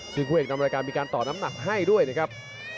ซึ่งคู่เอกนำรายการมีการต่อน้ำหนักให้ด้วยนะครับ